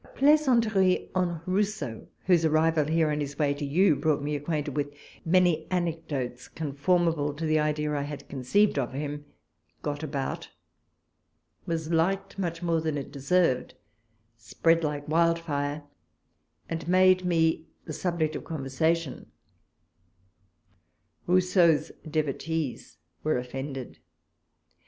A plaisanteric on Rousseau, whose arrival here in his way to you brought me ac quainted with many anecdotes conformable to the idea I had conceived of him, got about, was liked much more than it deserved, spread like wild fire, and made me the subject of conversa tion, llousseau's devotees were offended.